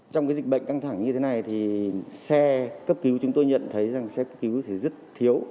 trong cái dịch bệnh căng thẳng như thế này thì xe cấp cứu chúng tôi nhận thấy rằng xe cấp cứu thì rất thiếu